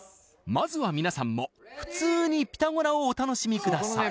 まずはみなさんも普通にピタゴラをお楽しみください